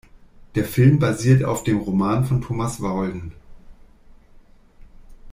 Der Film basiert auf dem Roman von Thomas Walden.